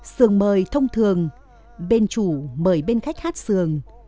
sườn mời thông thường bên chủ mời bên khách hát sường